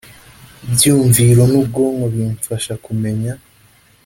byumviro n ubwonko bimfasha kumenya